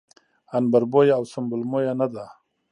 عنبربويه او سنبل مويه نه ده